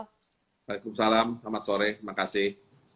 waalaikumsalam selamat sore terima kasih